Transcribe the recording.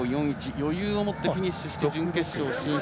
余裕を持ってフィニッシュして準決勝進出。